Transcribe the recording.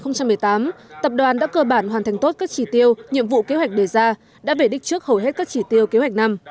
năm hai nghìn một mươi tám tập đoàn đã cơ bản hoàn thành tốt các chỉ tiêu nhiệm vụ kế hoạch đề ra đã về đích trước hầu hết các chỉ tiêu kế hoạch năm